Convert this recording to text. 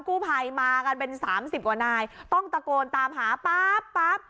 กู้ภัยมากันเป็นสามสิบกว่านายต้องตะโกนตามหาปั๊บปั๊บ